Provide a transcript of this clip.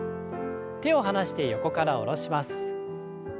手を離して横から下ろします。